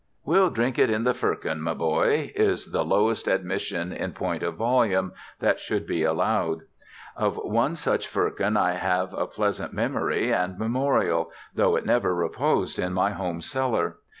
"We'll drink it in the firkin, my boy!" is the lowest admission in point of volume that should be allowed. Of one such firkin I have a pleasant memory and memorial, though it never reposed in my home cellar.